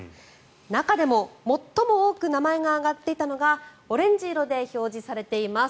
中でも最も多く名前が挙がっていたのがオレンジ色で表示されています